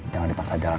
jangan dipaksa jalan